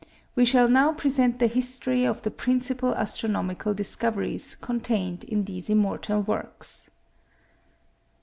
We shall now present the history of the principal astronomical discoveries contained in these immortal works.